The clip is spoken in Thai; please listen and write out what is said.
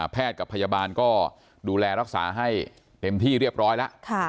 แพทย์กับพยาบาลก็ดูแลรักษาให้เต็มที่เรียบร้อยล่ะค่ะ